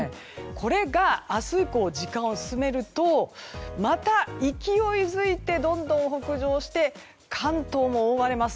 これが明日以降時間を進めるとまた勢いづいてどんどん北上して関東も覆われます。